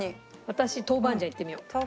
私豆板醤いってみよう。